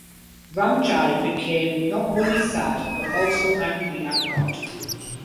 Ramji became not only sad but also angry at God.